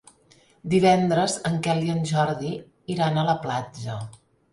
Divendres en Quel i en Jordi iran a la platja.